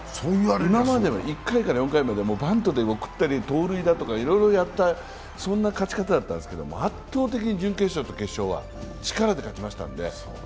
今までは１回から４回はバントで送ったり盗塁だとかいろいろやった、そんな勝ち方だったんですけど圧倒的に準決勝と決勝は力で勝ちましたんで。